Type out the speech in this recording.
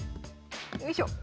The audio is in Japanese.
よいしょ！